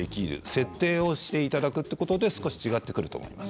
設定をしていただくということで違ってくると思います。